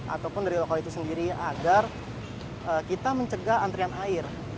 ataupun dari lokal itu sendiri agar kita mencegah antrian air